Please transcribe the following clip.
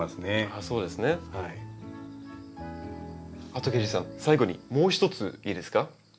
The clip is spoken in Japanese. あと下司さん最後にもう一ついいですか？